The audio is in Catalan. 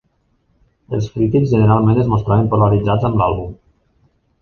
Els crítics generalment es mostraven polaritzats amb l'àlbum.